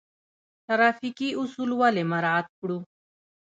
ټرافیکي اصول ولې مراعات کړو؟